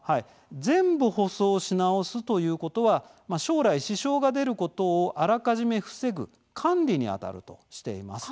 全部舗装し直すということは将来支障が出ることをあらかじめ防ぐ管理にあたるとしています。